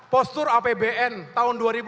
postur apbn tahun dua ribu empat belas